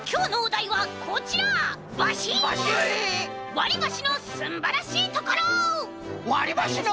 「わりばしのすんばらしいところ！」。